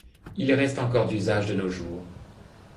Il reste encore d'usage de nos jours.